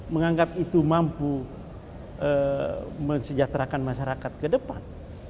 menganggap itu mampu mensejahterakan masyarakat kedepan